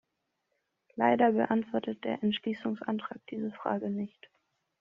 Leider beantwortet der Entschließungsantrag diese Frage nicht.